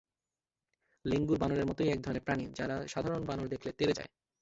লেঙ্গুড় বানরের মতোই একধরনের প্রাণী, যারা সাধারণ বানর দেখলে তেড়ে যায়।